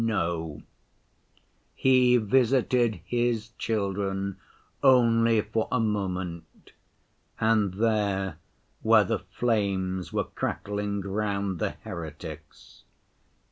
No, He visited His children only for a moment, and there where the flames were crackling round the heretics.